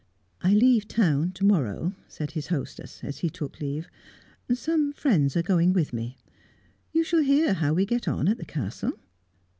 "I leave town to morrow," said his hostess, as he took leave. "Some friends are going with me. You shall hear how we get on at the Castle."